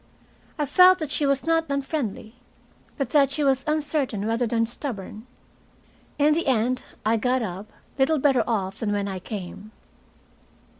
I felt that she was not unfriendly, and that she was uncertain rather than stubborn. In the end I got up, little better off than when I came.